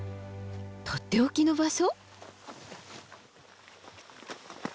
とっておきの場所？